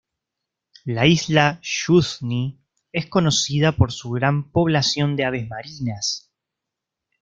La isla Yuzhny es conocida por su gran población de aves marinas.